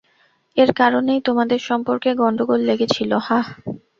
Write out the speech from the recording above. এর কারণেই তোমাদের সম্পর্কে গণ্ডগোল লেগেছিল, হাহ?